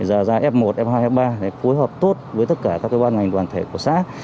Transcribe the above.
giờ ra f một f hai f ba để cối hợp tốt với tất cả các cơ quan ngành toàn thể của xã